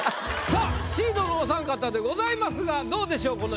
さあシードのお三方でございますがどうでしょう？